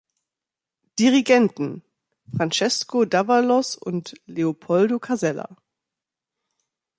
Dirigenten: Francesco d’Avalos und Leopoldo Casella.